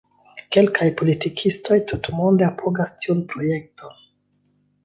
Kelkaj politikistoj tutmonde apogas tiun projekton.